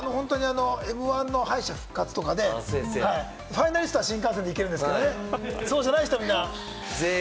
М‐１の敗者復活とかで、ファイナリストは新幹線で行けるんですけど、そうじゃない人は。